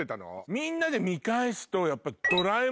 みんなで見返すとやっぱ。